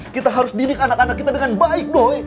kita harus didik anak anak kita dengan baik doy